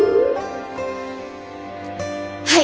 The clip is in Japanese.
はい！